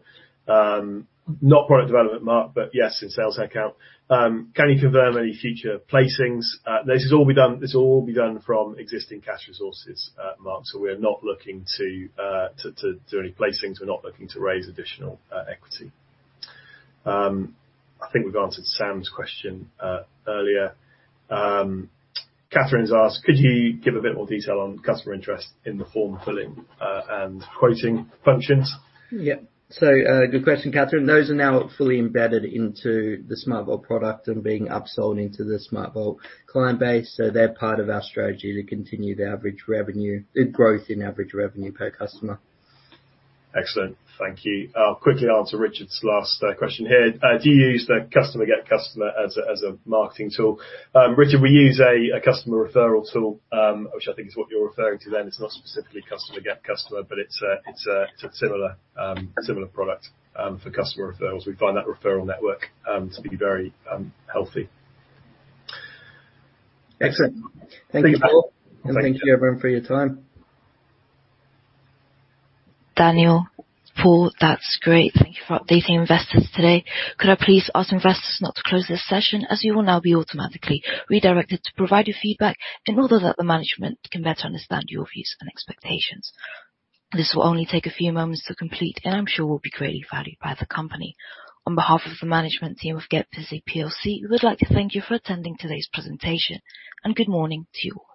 C: Not product development, Mark, but yes, in sales headcount. Can you confirm any future placings? This has all be done, this will all be done from existing cash resources, Mark. So we are not looking to do any placings. We're not looking to raise additional equity. I think we've answered Sam's question earlier. Catherine's asked: Could you give a bit more detail on customer interest in the form filling and quoting functions?
B: Yeah. So, good question, Catherine. Those are now fully embedded into the SmartVault product and being upsold into the SmartVault client base, so they're part of our strategy to continue the average revenue... the growth in average revenue per customer.
C: Excellent. Thank you. I'll quickly answer Richard's last question here: Do you use the customer get customer as a marketing tool? Richard, we use a customer referral tool, which I think is what you're referring to then. It's not specifically customer get customer, but it's a similar product for customer referrals. We find that referral network to be very healthy.
B: Excellent.
C: Thanks.
B: Thank you, Paul.
C: Thank you.
B: Thank you, everyone, for your time.
A: Daniel, Paul, that's great. Thank you for updating investors today. Could I please ask investors not to close this session, as you will now be automatically redirected to provide your feedback in order that the management can better understand your views and expectations. This will only take a few moments to complete, and I'm sure will be greatly valued by the company. On behalf of the management team of GetBusy PLC, we would like to thank you for attending today's presentation, and good morning to you all.